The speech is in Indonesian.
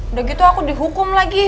udah gitu aku dihukum lagi